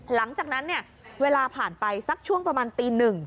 หลังจากนั้นเนี่ยเวลาผ่านไปสักช่วงประมาณตี๑